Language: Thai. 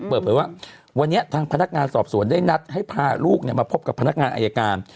เปิดเผยว่าวันนี้ทางพนักงานสอบสวนได้นัดให้พาลูกมาพบกับพนักงานอายการ